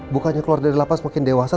bukannya keluar dari lapas makin dewasa